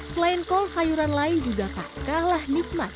selain kol sayuran lain juga tak kalah nikmat